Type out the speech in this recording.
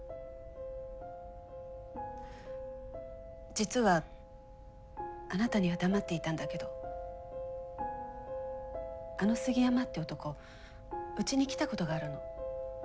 実はあなたには黙っていたんだけどあの杉山って男うちに来たことがあるの。